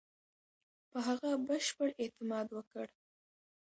په هغه بشپړ اعتماد وکړ.